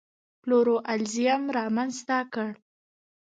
پلورالېزم رامنځته کړ.